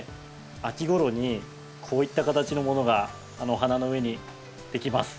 秋ごろにこういった形のものがお花の上にできます。